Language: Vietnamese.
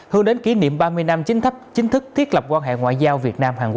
hướng đến kỷ niệm ba mươi năm chính thấp chính thức thiết lập quan hệ ngoại dân